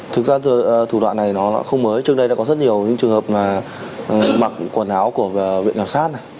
thực ra thủ đoạn này nó không mới trước đây đã có rất nhiều những trường hợp mà mặc quần áo của viện khảo sát này